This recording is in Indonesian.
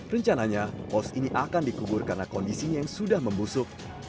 rencananya pos ini akan dikubur karena kondisinya yang sudah membusuk